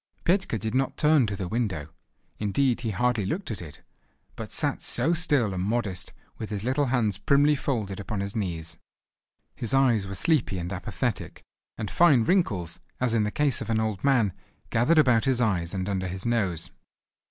Petka did not turn to the window, indeed, he hardly looked at it, but sat so still and modest, with his little hands primly folded upon his knees. His eyes were sleepy and apathetic, and fine wrinkles, as in the case of an old man, gathered about his eyes and under his nose.